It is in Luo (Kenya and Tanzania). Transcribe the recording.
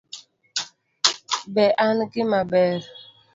Be an gima ber